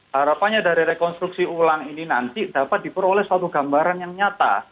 harapannya dari rekonstruksi ulang ini nanti dapat diperoleh suatu gambaran yang nyata